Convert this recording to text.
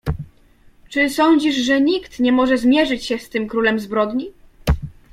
"Czy sądzisz, że nikt nie może zmierzyć się z tym królem zbrodni?"